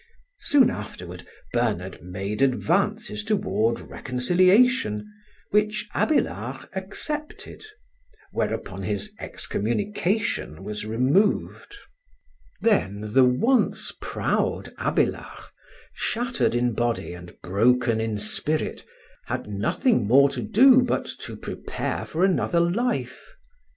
Soon afterward Bernard made advances toward reconciliation, which Abélard accepted; whereupon his excommunication was removed. Then the once proud Abélard, shattered in body and broken in spirit, had nothing more to do but to prepare for another life.